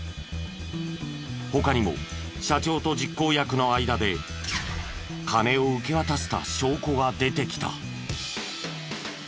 他にも社長と実行役の間で金を受け渡した証拠が出てきた。